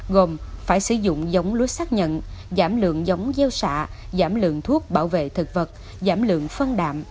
gồm phải sử dụng giống lúa xác nhận giảm lượng giống gieo xạ giảm lượng thuốc bảo vệ thực vật giảm lượng phân đạm